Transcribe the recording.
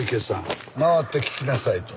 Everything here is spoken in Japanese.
回って聞きなさいと。